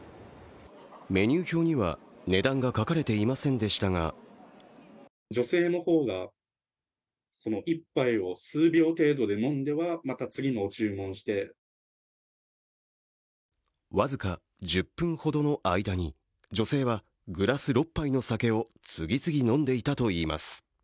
メニュー表には値段が書かれていませんでしたが僅か１０分ほどの間に女性はグラス６杯の酒を次々飲んでいたといいます。